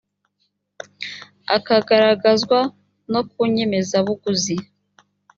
akagaragazwa no ku nyemezabuguzi